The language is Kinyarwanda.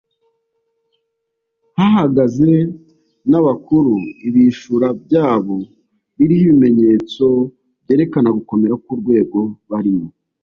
hahagaze n'abakuru ibishura byabo biriho ibimenyetso byerekana gukomera k'urwego barimo